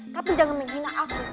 tapi jangan menghina aku